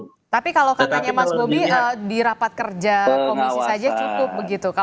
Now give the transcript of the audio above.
tapi kalau katanya mas bobi di rapat kerja komisi saja cukup begitu